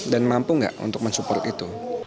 dan itu harus kita lakukan